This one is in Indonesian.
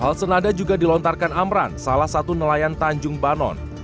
hal senada juga dilontarkan amran salah satu nelayan tanjung banon